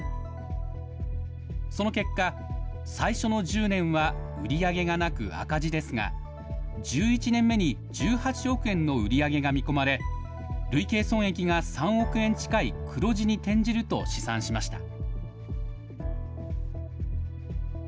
その結果、最初の１０年は売り上げがなく赤字ですが、１１年目に１８億円の売り上げが見込まれ、累計損益が３億円近い黒字に転じると試算しました。